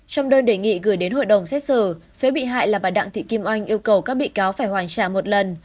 trong đơn đề nghị gửi đến hội đồng xét xử phế bị hại là bà đặng thị kim oanh yêu cầu các bị cáo phải hoàn trả một lần